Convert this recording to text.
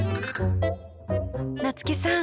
夏木さん